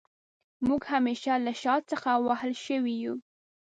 موږ همېشه له شا څخه وهل شوي يو